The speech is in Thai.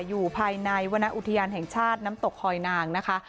อยู่ภายในวรรณอุทยานแห่งชาติน้ำตกคอยนางนะคะ